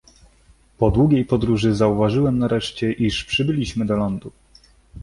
"Po długiej podróży zauważyłem nareszcie, iż przybiliśmy do lądu."